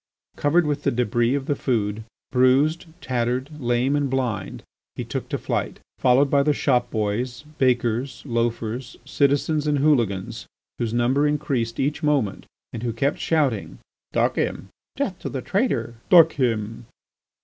Covered with the débris of the food, bruised, tattered, lame, and blind, he took to flight, followed by the shop boys, bakers, loafers, citizens, and hooligans whose number increased each moment and who kept shouting: "Duck him! Death to the traitor! Duck him!"